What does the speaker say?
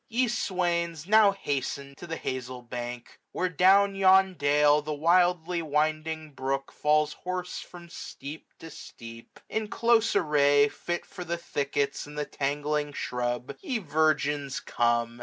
Te swains now hasten to the hazeUbank ; Where, down yon dale, the wildly winding brook Falls hoarse from steep to steep. In close array, 611 Fit for the thickets and the tangling shrub. Ye virgins come.